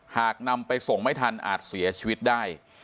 หากนำไปส่งไม่ทันอาจเสียชีวิตได้